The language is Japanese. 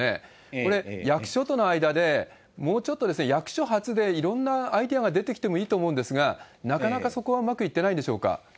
これ、役所との間で、もうちょっと役所発でいろんなアイデアが出てきてもいいと思うんですが、なかなかそこはうまくいってないんでしょうか？